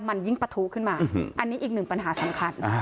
มันยิ่งปะทุขึ้นมาอันนี้อีกหนึ่งปัญหาสำคัญ